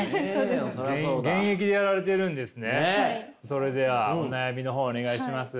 それではお悩みの方お願いします。